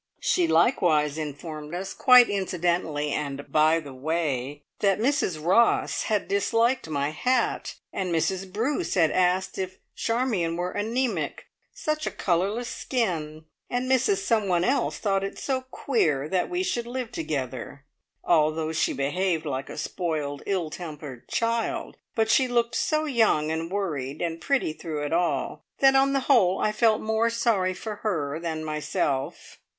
She likewise informed us, quite incidentally and "by the way," that Mrs Ross had disliked my hat and Mrs Bruce had asked if Charmion were anaemic such a colourless skin! and Mrs Someone Else thought it so "queer" that we should live together! Altogether she behaved like a spoiled, ill tempered child, but she looked so young and worried and pretty through it all, that on the whole I felt more sorry for her than myself.